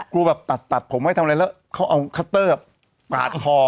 กลัวแบบตัดผมไว้ทำอะไรแล้วเขาเอาคัตเตอร์ปาดคอ